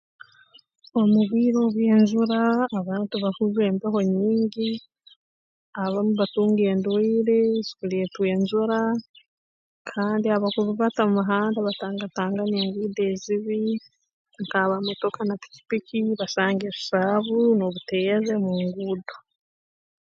Omu bwire obw'ejura abantu bahurra embeho nyingi abamu batunga endwaire ezikuleetwa enjura kandi abakurubata mu muhanda batangatangana enguudo ezibi nk'abaamotoka na pikipiki basanga ebisaabu n'obuterre mu nguudo